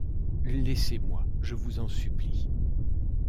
Laissez-moi, je vous en supplie.